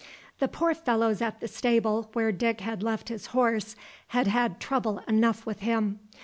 The poor fellows at the stable where Dick had left his horse had had trouble enough with him.